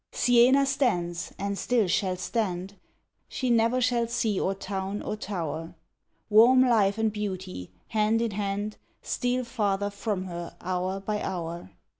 Siena stands, and still shall stand; She ne'er shall see or town or tower. Warm life and beauty, hand in hand, Steal farther from her hour by hour.